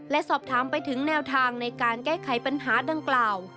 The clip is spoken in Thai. และสอบถามไปถึงแนวทางในการแก้ไขปัญหาดังกล่าว